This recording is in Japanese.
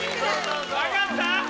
分かった？